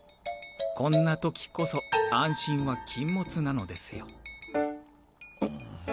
こんな時こそ安心は禁物なのですよ。